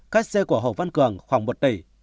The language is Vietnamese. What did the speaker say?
cách xe của hồ văn cường khoảng một tỷ